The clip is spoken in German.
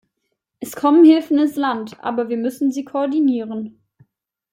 Es kommen Hilfen ins Land, aber wir müssen sie koordinieren.